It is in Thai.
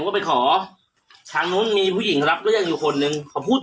ขอเลยก่อนขอเสียงคุณเลยเฮ้ย